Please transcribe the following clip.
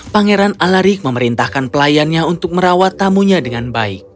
pangeran alarik memerintahkan pelayannya untuk merawat tamunya dengan baik